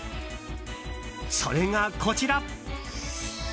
それがこちら。